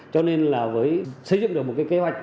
cho nên là với xây dựng được một cái kế hoạch